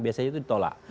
biasanya itu ditolak